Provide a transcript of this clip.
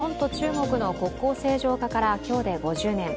日本と中国の国交正常化から今日で５０年。